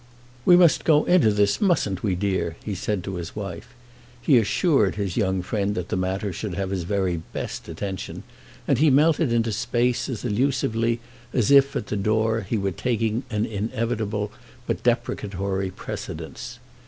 "We must go into this, mustn't we, dear?" he said to his wife. He assured his young friend that the matter should have his very best attention; and he melted into space as elusively as if, at the door, he were taking an inevitable but deprecatory precedence.